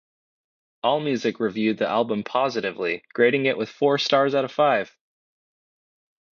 Allmusic reviewed the album positively, grading it with four stars out of five.